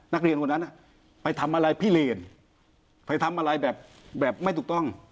นักเรียนคนนั้นไปทำอะไรพิเลนไปทำอะไรแบบไม่ถูกต้อง